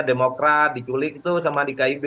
demokrat diculik tuh sama di kib